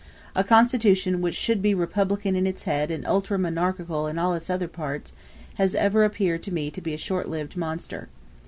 A constitution, which should be republican in its head and ultra monarchical in all its other parts, has ever appeared to me to be a short lived monster.